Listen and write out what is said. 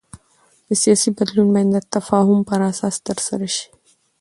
سیاسي بدلون باید د تفاهم پر اساس ترسره شي